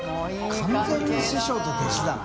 完全に師匠と弟子だな。